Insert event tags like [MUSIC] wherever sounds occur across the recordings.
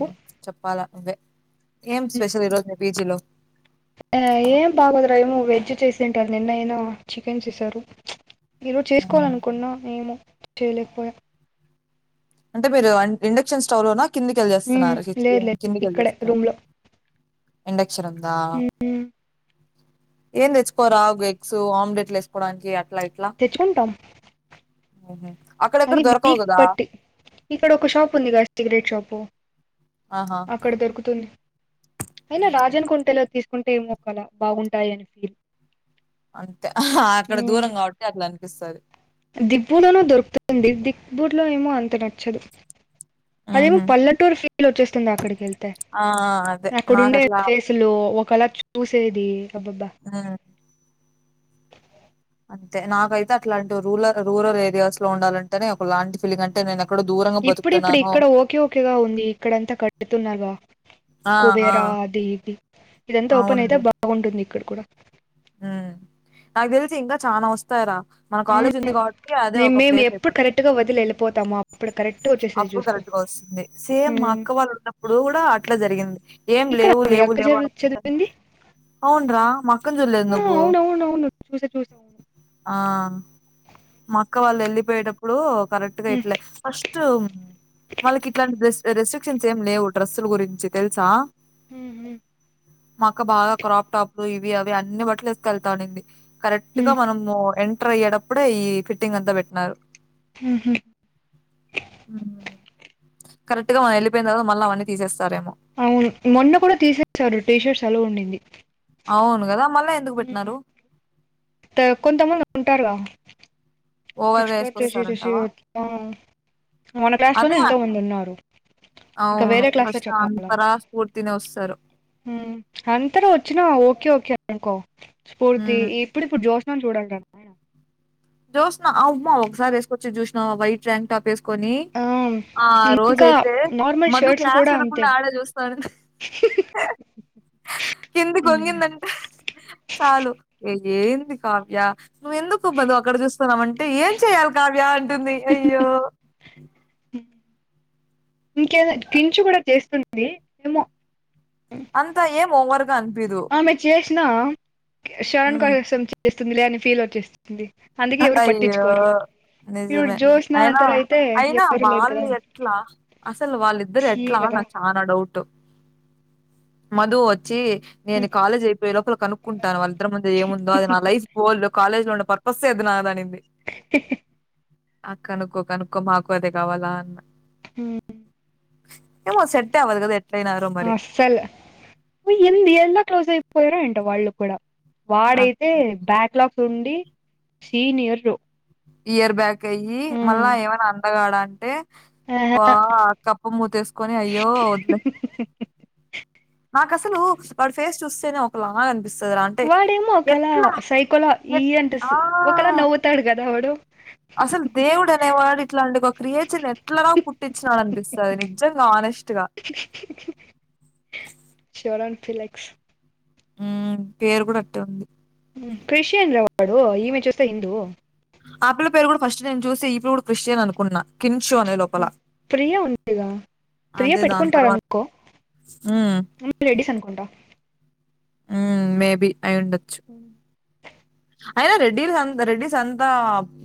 అ ఆ! చెప్పాలా నువ్వే ఏం స్పెషల్ ఈరోజు పీజీలో ఏ ఏం బాగోదరా ఏమో వెజ్ చేసింటారు నిన్న అయిను చికెన్ చేసారు ఈరోజ్ చేసుకోవలనుకున్న ఏమో చేయలేకపోయా అంటే మీరు ఆ ఇండక్షన్ స్టవ్ లోనా హ్మ్. కిందికెళ్ళేస్తున్నారు లేదు లేదు ఇక్కడే కిందికెలెస్తారు రూమ్‌లో. ఇండేక్ శృందా హ్మ్. ఏన్ తెచ్చుకోరా ఒక ఎగ్స్ ఆమ్లేట్లు ఎస్కోడానికి ప్లయిట్లా తెచ్చుకుంటాం. ఊహు అక్కడెక్కడ అది దొరకవు వీక్ కదా బట్టి. ఇక్కడ ఒక షాప్ ఉంది కదా సిగరెట్ షాపు ఆహా అక్కడ దొరుకుతుంది అయినా మ్హూ. రాజన్ కొంటెలో తీస్ కుంటే మొక్కలా బాగుంటాయని అని ఫీల్ అంతే ఆహ్ అక్కడ హ్మ్. దూరం కాబట్టి అట్లనిపి పిస్తది దిబ్బులోనూ దొరుకుతుంది దిక్ బుట్ లో ఏమో అంతడట్ చదు అదేమో మ్మ్. పల్లటూర్ ఫి ల్ ఒచ్చేస్తుంద అక్కడికి కెల్ ట ఆ అదే నాకు అక్కడుండే అట్లా ఫేసులు ఒకల ట్ చూసేది అబ్బబ మ్, అంతే నాకైతే అట్లాంటి రూలల్ రూరల్ ఏరియాస్ లో ఉండాలంటేనే ఒక లాంటి ఫీలింగ్ అంటే నేనెక్ ఇప్పుడుప్పుడు ఇక్కడ ఓకే ఓకేగా ఉంది ఇక్కడంతా కడుతున్నారుగా ఆ ఆ కుబేర అది ఇది ఇదంతా ఓపెన్ అయితే బాగుంటుంది ఇక్కడ కూడా ఊ నాకు తెలిసి ఇంకా చానా వస్తాయ్ ర మన అవును కాలేజ్ ఉంది కాబట్టి అదే నేను ఒక మేము ప్లేస్ ఎప్పుడు అయిపోతది కరెక్ట్ గా వదిలి వెళ్ళిపోతాము అప్పుడు కరెక్ట్ వచ్చేసేది అప్పుడు చూసుకో కరెక్ట్గా వస్తుంది సేమ్ మా ఉమ్. అక్క వాళ్ళు ఉన్నప్పుడు కూడా అట్లా జరిగింది ఏం ఇక్కడ లేవు మీ లేవు అక్క లేవు చదువు అనుకుంట చదివింది అవున్రా మా అక్క ఆ, నువ్వు అవును అవును అవును చూసా చూసా అవును ఆ మా అక్క వాళ్ళు వెళ్ళి [UNINTELLIGIBLE] బయేటప్పుడు కరెక్ట్ గా ఉమ్, ఇట్లే ఫస్ట్ వాల్కి ఇట్లాంటి రె రెసి క్షన్స్ ఏం లేవు డ్రస్ల గురించి తెలుసా ఉమ్, ఉమ్, మక్క బాగా క్రాప్ టాప్లు అ అన్ని బట్టలు తీసుకెళ్తాడి కరెక్ట్ గా ఉమ్, మనము ఎ టర్ అయ్యేటప్పుడు ఈ ఫిట్టింగ్ అంతా పెట్టినన్నారు హహ కరెట్గా మన వెళ్ళపోయి తర్వాత మళ అన్నీ తీసస్తారేమో అవును మొన్న కూడా తీసేసాడు టీషర్ట్స్ అల్లో ఉండింది అవును కదా కొంత మల్ ఉంటారుగా ఎక్ ఓవర్‌గా ఏసుకొస్తారంటావా? మన క్లాస్ అదే లోని ఎంతో మంది ఉన్నారు ఇంకా అవును. వేరే క్లాస్ లో ఫస్ట్ చెప్పాలా అంతరా స్ఫూర్తినే వస్తారు. అంతరూ వచ్చిన ఓకేఓే రంకో స్పోర్తే హ్మ్. ఎప్పుడు ఎప్పుడు జోస్ చూడాలి జోష్నా అవ్వ ఒకసారిసుకోచ్చిది చూసినావ వైట్ర్ంక్ టాప్ వే కొని ఆ ఆ ఇంకా రోజయితే నార్మల్ మధు షర్ట్స్ క్లాస్ కూడా అంతే వెనకుండా ఆడ చూస్తా ఉనింది కిందికి వంగిందంటే చాలు ఏంది కావ్య నువ్వ ఎందుకు బదు అప్పుడు చూస్తున్నామ అంటే ఏం చెయాలి కావ్య అంటుంది అయ్యో ఇంకేద కించు కూడా చేస్తుంది ఏమో అంతా ఏమో వర్గ అనిపిదు నా శరణ కా వస్తుందిలే అని ఫీల్ వచ్చేస్తుంది అందుకే ఎవరు అయ్యో పట్టించుకోరు ఇప్పుడు నిజమే జోష్న అయినా అంతలో అయితే అయినా ఎవరు లేదు కదా వాళ్ళు ఎట్లా అసలు వాళ్ళిద్దరు చీ ఎట్లా కదా నాకు చనా డౌట్ మధు వచ్చ చ్చి నేను కాలేజ్ అయిపోయ లోపల కనుక్కుంటాను వాళ్ళద్దరి మధ్య ఏముందో అది నా లైఫ్ గోలు కాలేజ్ లో ఉండ ప బిగ్ ఏది నాదాని ఆ కనుకో కనుకో మాకు అదే కావాలా అన్న హుం ఏమో సెట్టే అవదు కద ఎ ఆసల ఏ ఎంద ఎల్లా క్లోస్ అయిపోయారో ఏన్ ట్ వాళ్ళు కూడా వాడైతే అర్థం బ్యాక్ లాగ్ తుండి సీనియరు ఇయర్ బ్యాక్ అయ్యి మళ్ళా ఏమైనా అందగాడా అంటే బా కప్ప మూతి వేసుకొని అయ్యో వద్దులే నక్ అసల్ లు వాడ్ ఫేస్ చూస్తేనే ఒక లాగా అనిపిస్ వాడేమో ఒకలా సైకోలా ఇ ఎట్ అంట ఆ ఒకలా నవ్వుతాడు కదా వాడు అసలు దేవుడు అనేవాన్నాడు ఇట్లాంటి ఒక క్రియేటర్ ని ఎట్లరా పుట్టించినాడు అనిపిస్తుంది నిజంగా ఆనెస్ట్గా షోరాన్ ఫిలెక్స్ ఉమ్ పేరు కూడా అట్టే ఉంది క్రిస్టియన్ రా వాడు ఈమె చూస్తే హిందూ ఆ పిల్ల పేరు కూడా ఫస్ట్ నేను చూసి ఈ పిల్ల కూడా క్రిస్టియన్ అనుకున్నా కిన్షు అనే లోపల ఉమ్ ప్రియా ఉందిగా ప్రియా అదే దాని పెట్టుకుంటార తర్వాత అనుకో రెడీస్ అనుకుంటా ఉమ్ మేబి అయిఉండొచ్చు అయినా రెడ్డ రెడ్డిస్ అంతా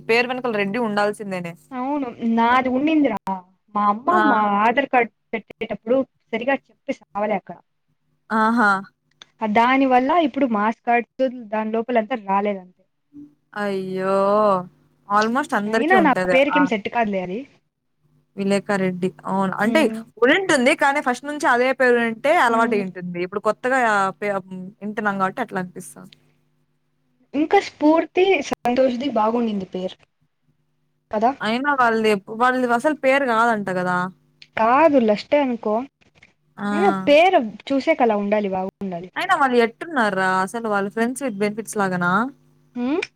పేరు వెనకలు రెడ్డి ఉండాల్సి అవును నాది ఉన్నిందిరా మా ఆ అమ్మమ్మ ఆధార్ కార్డ్ పెట్టేటప్పుడు సరిగా చెప్పి సావలే అక్కడ ఆహా దాని వల్ల ఇప్పుడు మాస్ కార్డు దాని లోపల అంత రాలేద అయ్యో ఆల్మోస్ట్ అందరికీ అయినా నా ఉంటది పేరుకేమి సెట్ కాదులే అది విలేకా రెడ్డి అవును అంటే ఉమ్ ఉండింటుంది కానీ ఫస్ట్ నుంచి అదే పేరు ఉండింటే అలవాటు ఉమ్ అయ్యుంటుంది ఇప్పుడు కొత్త కొత్తగా యా పాయ ఉ వింటున్నాం కాబట్టి అట్లా అనిపిస్తుంది ఇంకా స్ఫూర్తి సంతోషది బాగునింది పేరు కదా అయినా వాళ్ళేద్ వాళ్ళ అసలు పేరు కాదంట కదా కాదు లష్టే అనుకో ఆ! అయిన పేరు చూసేక అలా ఉండాలి వావు అయినా వాళ్ళు ఎట్ నా రా అసలు వాళ్ళ ఫ్రెండ్స్ విత్ బెనిఫిట్స్ లాగానా హ్మ్మ్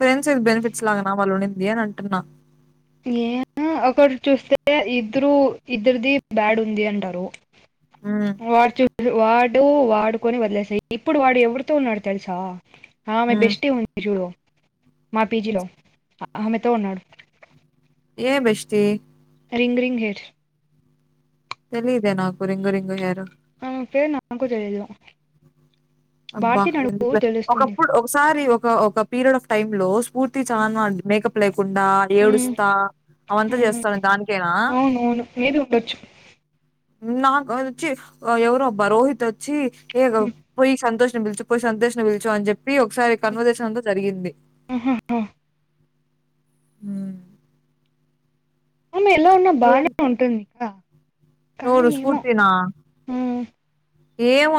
ఫెడ్స్ది బెనిఫిట్స్ లా గా వాళ్ళు ఉండేది అదే అంటున్న ఏ ఒకరు చూస్తే ఇద్దరు ఇద్దరిది బ్యాడ్ ఉంది అంటారు హ్మ్. వార్ చ వార్డ్ వాడు వాడుకొని వదిలేసాయి ఇప్పుడు వాడు ఎవరితో ఉన్నాడు తెలుసా ఆమె హ్మ్. బెస్టి ఉంది చూడు మా పీజీలో ఆమెతో ఉన్నాడు ఏ బెష్టి రింగ్ రింగ్ హెయిర్ తెలియదే నాకు రింగు రింగు హెయిర్ ఆమె పేరు నాకు తెలియదు అబ్బా భారతి నడుపు ఎందుకులే తెలుస్తుంది ఒకప్పుడు ఒకసారి ఒక ఒక పీరియడ్ ఆఫ్ టైమ్ లో పూర్తి చా మేకప్ చెకుండా ఉమ్, ఏడుస్తా అవంతా ఉమ్, చేస్తాను దానికైనా అవును అవును మేబీ ఉండొచ్చు నాకు వ వచ్చి ఎవరుబ్బా రోహిత్ వచ్చి ఏేగ ఉమ్, పోయి సంతోష పిచిపోయి సంతోష్ పిలుచు అని చెప్పి ఒకసారి కన్వర్జేషన్ అంత జరిగింది ఆహాహా అ అమె ఎలా ఉన్నా బాగానే ఉంటుందికా ఎవరు స్ఫూర్తి నా మ్ ఏవ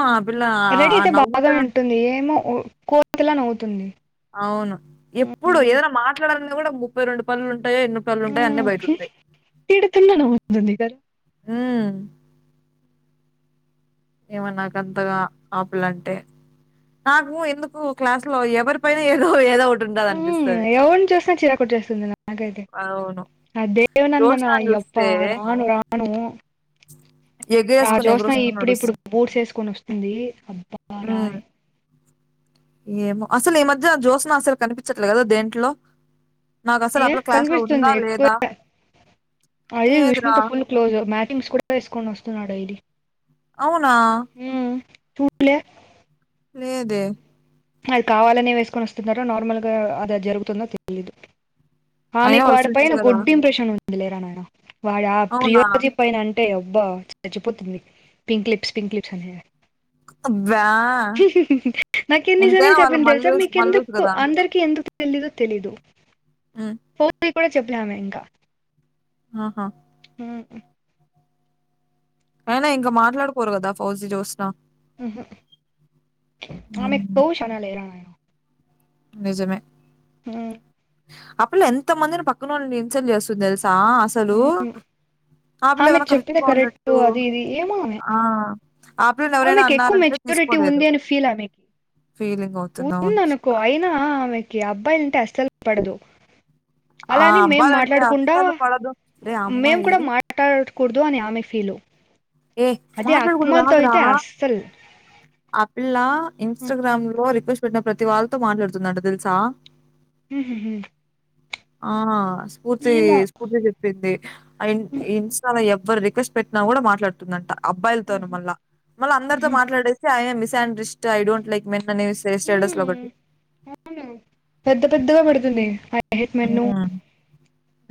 రెడీ అయితే బాగానే ఉంటుంది ఏమో కోతిలా నవ్వుతుంది అవును ఎప్పుడు మ్ ఏదైనా మాట్లాడాలని కూడా ముప్పై రెండు పనులుంటాయి ఉంటాయి ఎన్న పల్లు ఉంటాయి అన్నిీ మ్ బయట ఉంటాయి తిడుతున్నా నవ్వుతుంది కదా అ ఏమో నాక అంతగా ఆపలంటే నాకు ఎందుకు క్లాస్ లో ఎవరి పైన ఏదో ఏదో ఉంటది ఆ అనిపిస్తది యవని చూసినా చీర కుట్చేస్తుంది నాకైతే అవును ఆ జోష్నా దేవనందనయప్ప చూస్తే రాను రాను ఆ ఎగేసుకుని జ్యోష్ణ ఎగురుసుకుని ఇప్పుడు ఇప్పుడు నడుస్తుంది బూడ్ చేేసుకొని వస్తుంది ఉమ్, అబ్బారాయ్ ఏమో అసలు ఈ మధ్య జ్యోసన అసలు కనిపించట్లే కదా దేంట్లో నాకు అసలు ఏ అప్పుడు క్లాస్ లో కనిపిస్తుంది ఉందా ఎక్కువ లేదా అది లేదురా విష్ణుతో ఫుల్ క్లోజ్ మ్యాచింగ్స్ కూడా వేసుకొని వస్తున్నాడు ఇది అవునా చూడ్లీ లేదే అది కావాలనే వేసుకొని వస్తున్నారో నార్మల్గా అదిద జరుగుతుంద తెలీదు అయినా ఆమెక్ వాళ్ళ వాడ ఫ్రెండ్స్ పైన కదా గుడ్ ఇంప్రెషన్ ఉంది మలేరానార వాడు ఆ అవునా ప్రియోజ పైన అం అంటే అబ్బా చచ్చిపోతుంది పింక్ లీప్స్ పింక్ క్లిప్స్ అనే అబ్బ ఎన్ని సర్లు చెప్ప తెలుసా మీకెందుకు అందరికి ఎందుకు తెలీదు తెలీదు ఉమ్, కూడా చెప్పలేమ ఇంకా ఆహా ఉ అయినా ఇంకా మాట్లాడుకోరు కదా ఫౌజి జూస్ అమె ఉమ్, కోష్ లేైరా నిజమే ఉ ఆ పిల్ల ఎంత మందిని పక్కన వాళ్ళుని ఇన్సెల్ చేస్తుంది తెల్స్ ఆ అస్సలు ఉమ్. ఆమె చెప్పేతే కరెక్ట్ అది ఇది ఏమోమె ఆ ఆ పిల్లని ఎవరైనా ఆమెకి ఎక్కువ అన్నారంటే మెచ్యూరిటీ తీసుకోలేదు ఉంది అని ఫీల్ ఆమెకి ఫీలింగ్ అవుతుంది ఉంద అవును అనుకో అయినా ఆమెకి అబ్బా అబ్బయి అంటే అస్సలు పడదు ఆ అలా అని మేము అబ్బాయి లంటే మాట్లాడకుండా అస్సలు పడదు రే అమ్మాయి మూటకూడదు అని అమె ఫీల్ ఏ మాట్లాడకూడదు ఆగరా అస్సలు ఆ పిల్ల ఇన్స్టాగ్రామ్ రిక్వెస్ట్ పెట్టిన ప్రతి వాళ్ళతో మాట్లాడుతుందంట తెలుసా ఉహు ఆ స్ఫూర్తి స్ఫూర్తి చెప్పింది ఆ ఇన్స్టాల ఎవ్వరు క్వెస్ట్ పెట్టిన కూడా మాట్లాడు దట అబ్బాయిలతోనే మళ్ళ మళ్ళ అందరితో మాట్లాడేసి హాయ్ అన్ని మెసే అండ్ రిస్ట్ ఐడోంట్లైక్మేట్ ఉ అవును పెద్ద పెద్దగా పెడుతుంది ఐ హెట్ మెనూ హ్మ్.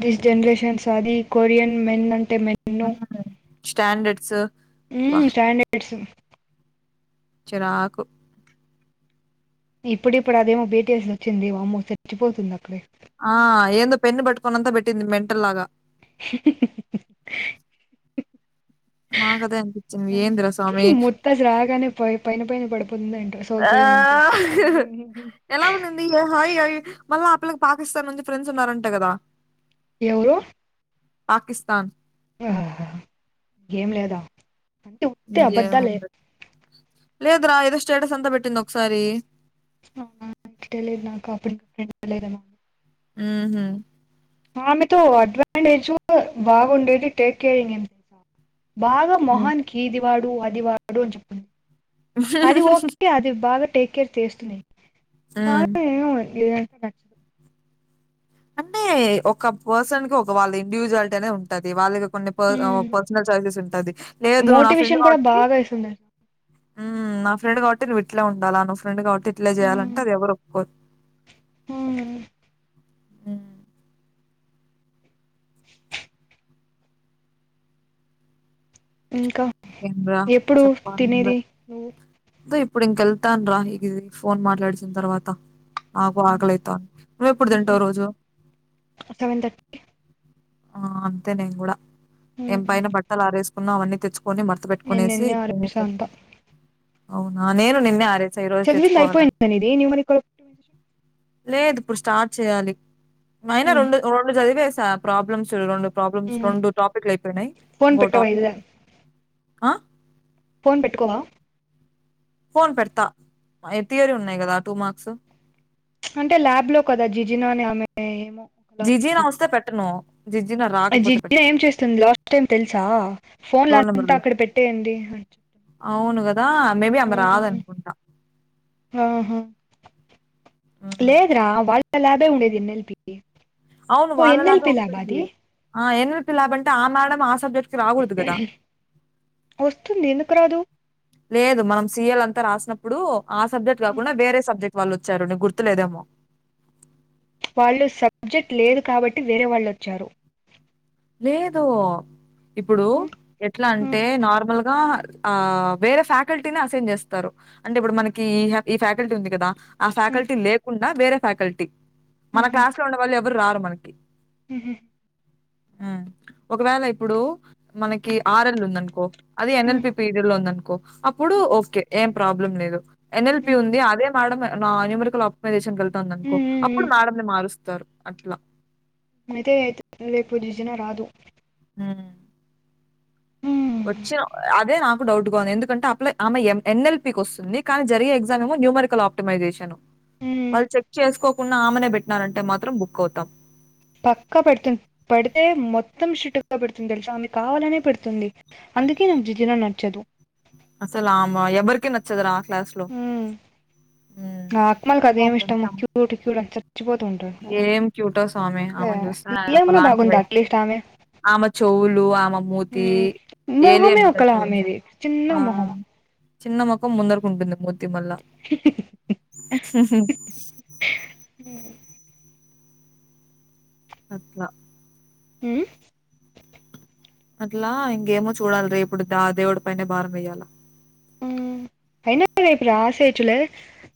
రీస్ జనరేషన్ అని కొరియన్ మెన్ అ మెనూ హ్మ్. స్టాండర్డ్స్ హు అబ్బా! స్టాండర్డ్స్ చిరాకు ఇప్పుడు ఇప్పుడు అదేమో బి టి ఎస్ వచ్చింది వామో చచ్చిపోతుంది అక్కడే ఆ ఏదో పెన్ను పట్టుకుని అంతా పెట్టింది మెంటల్ లాగా నాకదే అనిపిచ్చింది. ఏందిరా స్వామి! [UNINTELLIGIBLE] ముతాజ్ రాగానే పోయి పైన పైనపడిపోయి ఉందంట సౌత్ ఆ! కొరియా నుంచి ఎలా ఉండింది? హాయ్ హాయ్ మళ్ళా ఆ పిల్లకి పాకిస్తాన్ నుంచి ఫ్రెండ్స్ ఉన్నారంట కదా ఎవరు పాకిస్తాన్ ఆహా ఏం లేదా అంటే ఉత్తి అబద్ధాలే లేదు రా ఏదో స్టేటస్ అంత పెటింది ఒకసారి అవునా తెలీదు నాకు అప్పుడు [UNINTELLIGIBLE] తెలియలేదేమో ఉ హు ఆమెతో అడ్వాంటేజ్ బాగుండేది టేక్కేరింగ్ తెలుసా భాగ మ్. మొహానికి ఇది ది వాడు అది వాడు అని చెప్తుంది అది ఓకే అది బాగా టేక్ కేర్ చేస్తున్నాయి తా మ్. ఎం అది ఉ అంటే ఒక పర్సన్ కి ఒక వాళ్ళ ఇండివిజువాలిటీ అనే ఉంటది వాళ్ళకి కొన్ని ప హ పర్సనల్ అవి విసురుతాది లేదు నువ్ నా ఫ్రెండ్ మోటివేషన్ కూడా కాబట్టి బాగా ఇస్తుంది అసలు. మ్మ్ నా ఫ్రెండ్ కాబట్టి నువ్ ఇట్లే ఉండాలా అమ్మే ఫ్రెండ్ కాదు ఎట్లా చేయాలంటే అది ఎవరు ఒప్పుకోరు ఉమ్మ్ మ్మ్ హా ఇంకా ఇంకేం రా ఎప్పుడు తినేది నువ్వు తే ఇప్పుడు ఇంక వెళ్తాను రా ఇప్పుడు ఈ ఫోన్ మాట్లాడేసిన తర్వాత నాకు ఆకలి ఐతుంది నువ్వు ఎప్పుడు తింటావు రోజు సెవెన్ థర్టీ ఆ అంతే నేను కూడా ఏం పైన బట్టలు ఆారేసి ఉన్నవన్నీ తెచ్ కొని మర్త నేను పెట్టుకునేసి నిన్నే ఆరేసా ఇ అంతా అవునా నేను నిన్నే ఆరేసా ఈ రోజు చదివింది తెచ్చుకోవాలని అయిపోయింది నీది న్యూమరికల్ లేదు ఇప్పుడు స్టార్ట్ చేయాలి నైనా రెడు ఆప్టిమైజేషన్. రెండు జదివేసా ప్రాబ్లమ్స్ ఉ రొండు ప్రాబ్లమ్స్ రెండు టాపిక్లు అయిపోయినాయి ఫోన్ ఇంకో పెట్టవా టాపిక్ ఇదిదా ఆ ఫోన్ పెట్టుకోవా ఫోన్ పెడతా థయరీ ఉన్నాయి కదా టూ మార్క్స్ అంటే ల్యాబ్ లో కదా జిజినోని ఆమె ఏమో జిజినా వస్తే పెట్టను జీజీనా రాకపోతే జిజిన పెడతా. ఏం చేస్తుంది లాస్ట్ టైమ్ తెలుసా ఫోన్ లో రోల్ నంబర్ అంతా వేసి. అక్కడ పెట్టేయండి అని చెప్ ఆ మేబి అమ రాధనుకుంట లేదరా వాళ్ల్ లాభే ఉండేది ఎనల్పికి అవును వాళ్ళ లాభే ఉంటుంది ఆ ఎన్ లాభంటే ఆ మేడం ఆ స్కూ సబ్జెక్ట్ కి రాకూడదు కదా వస్తుంది ఎందుకు రాదు లేదు మనం సిఎల్ అంతా రాసినం ఇప్పుడు ఆ సబ్జెక్ట కాకుండా వేరే సబ్జెక్ట్ వాళ్ళు వచ్చారు నీకు గుర్తులేదేమో వాళ్ళు సబ్జెక్ట్ లేదు కాబట్టి వేరే వాళ్ళొచ్చారు లేదు ఇప్పుడు ఎట్లా అంటే నార్మల్ గా ఆ వేరే ఫ్యాకల్టీనే అసైన్ చేస్తారు అంటే ఇప్పుడు మనకి ఈ ఫ్యాకల్టీ ఉంది కదా ఆ ఫ్యాకల్టీ లేకుండా వేరే ఫ్యాకల్టీ మన క్లాస్ లో ఉండే వాళ్ళు ఎ ఎవర్రారు మనకి ఉహ్హుమ్ మ్మ్ ఒకవేళ ఇప్పుడు మనకి ఆరెల్ ఉందఅనుకో అది ఎన్ఎల్పి పీరియడ్లో ఉందను అప్పుడు ఓకే ఏం ప్రాబ్లం లేదు ఎన్ఎల్పి ఉంది అదేం మేడం న్యూమరికల్ ఆప్టిమైజేషన్ తుందనుకో అప్పుడు మేడం ని మారుస్ తారు అట్లా అయితేయి రేపు జిజిన రాదు ఆ వచ్చే అదే నాకు డౌట్ గా ఉంది ఎందుకంటే అలా ఆమె ఎన్ఎల్పికి వస్తుంది కానీ జరిగే ఎగ్జామ్ ఏమో న్యూమరికల్ ఆప్టిమైజేషన్ వాళ్లు చెక్ చేసుకో కున్న ఆమెనే పెట్టినారంటే మాత్రం బుక్ అవుతాం పక్కా పెడుతుంది పడితే మొత్తం స్ట్రిక్ట్ పెడుతుంది తెలుసు ఆమె కావాలనే పెడుతుంది అందుకే జూజిర చెప్పు అసలు ఆమె ఎవరికీ నచ్చదు రా క్లాస్ లో ఆత్మలకు అదేమిష్టము క్యూట్ క్యూట్ అసల్ ఏం క్యూటో స్వామి ఏ, ఆమెను చూస్తేనే ఒక ఏమన్నా లాంటి బాగుంది అట్లీస్ట్ ఆమె ఆమె చెవులు ఆమె మూతి మ్మ్. ఏలియన్ మొహమే ఉంటాది ఒకలా చూడు ఆమెది చిన్న ఆ మొహం చిన్న మొఖం ముందరుకు ఉంటుంది తి మళ్ల అట్లా ఊ అట్లా ఇంకేమో చూడాలి రేపుడు దా దేవుడి పనే భారం వేయ్యాల ఊమ్ ఫైనల్ రేపు రాసేయచ్చులే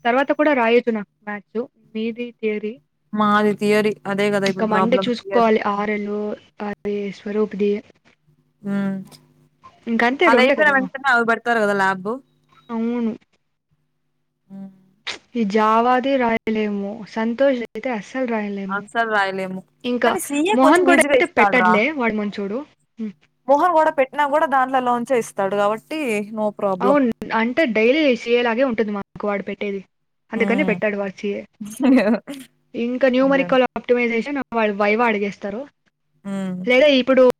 తర్వాత కూడా రాయద్దు నాకు వద్దు మీది తియరీ ఆ అది తీయరి ఇంకా మండే చూసుకోవాలి ఆరేలు ఆ ఈ స్వరూప్ ది ఊ రెండే అదయిపోన కదా వెంటనే అ పెడతారు కదా ల్యాబు అవును ఉ ఈ జావాది రాయలేము సంతోష్ దయితే అస అల్ రాయలేము అస్సలు రాయలేము ఇంకా కానీ సీఏ కొంచెం మోహన్ కూడా ఈజీగా అయితే ఇస్తాడు రా పెట్టట్లే వాడు మంచోడు నాకు కూడా దాంట్లోలోంచే ఇస్తాడు గాబట్టి నో ప్రాబ్లమ్ టే డైలీ సియేలాగే ఉంటది మాకు వాడు పెట్టేది అందుకని హ్మ్ పెట్టాడు వచ్చి నిజమే ఇంకా న్యూమరికల్ ఆప్టిమైజేషన్ అ వాళ్ళు వైవా అడిగేస్తారు ఉమ్ లేడ ఇప్పుడు